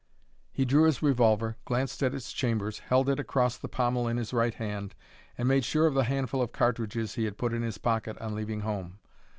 He drew his revolver, glanced at its chambers, held it across the pommel in his right hand, and made sure of the handful of cartridges he had put in his pocket on leaving home.